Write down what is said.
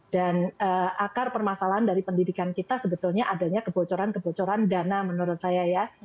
dan akar permasalahan dari pendidikan kita sebetulnya adanya kebocoran kebocoran dana menurut saya ya